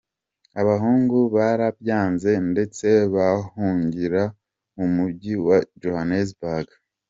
Abahungu barabyanze ndetse bahungira mu mujyi wa Johannesburg.